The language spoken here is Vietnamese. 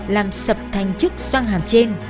làm sập thành chức xoang hàm trên